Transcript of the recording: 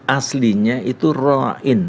aslinya itu ro'in